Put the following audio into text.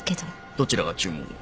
どちらが注文を？